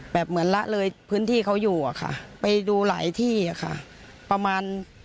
เหมือนละเลยพื้นที่เขาอยู่อะค่ะไปดูหลายที่อะค่ะประมาณ